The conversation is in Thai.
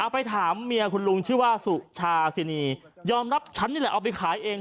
ไปถามเมียคุณลุงชื่อว่าสุชาสินียอมรับฉันนี่แหละเอาไปขายเอง